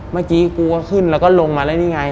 เมื่อกี้กูก็ขึ้นแล้วก็ลงมาแล้วนี่ไง